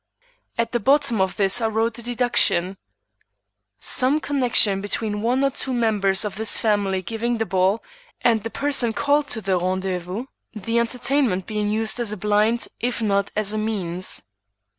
At the bottom of this I wrote a deduction: "Some connection between one or more members of this family giving the ball, and the person called to the rendezvous; the entertainment being used as a blind if not as a means."